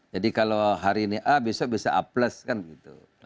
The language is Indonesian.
jadi kalau hari ini a besok bisa a plus kan gitu